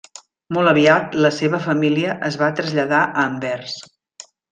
Molt aviat la seva família es va traslladar a Anvers.